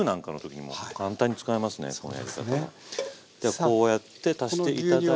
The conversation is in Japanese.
こうやって足して頂いた。